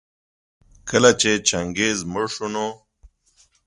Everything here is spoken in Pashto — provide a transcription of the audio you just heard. کله چي چنګېز مړ شو نو